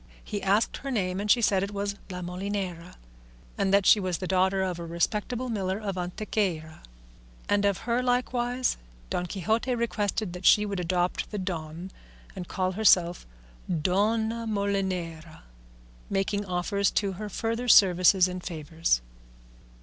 He asked her name, and she said it was La Molinera, and that she was the daughter of a respectable miller of Antequera; and of her likewise Don Quixote requested that she would adopt the "Don" and call herself Dona Molinera, making offers to her further services and favours.